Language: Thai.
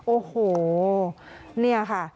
โอ้โหนี่ค่ะ